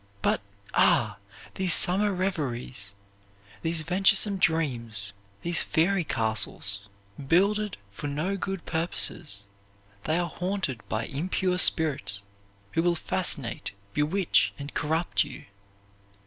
But ah! these summer reveries, these venturesome dreams, these fairy castles, builded for no good purposes, they are haunted by impure spirits, who will fascinate, bewitch, and corrupt you.